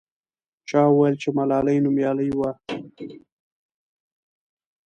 چا وویل چې ملالۍ نومیالۍ وه.